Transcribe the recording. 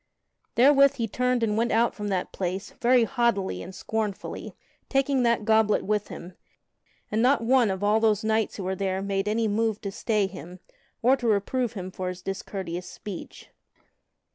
Therewith he turned and went out from that place very haughtily and scornfully, taking that goblet with him, and not one of all those knights who were there made any move to stay him, or to reprove him for his discourteous speech.